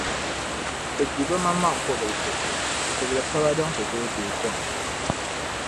bɛ gbi bɛmaŋmaŋ’ kɔbilisi, kɔbil’ kaba din ku tooi deei kom.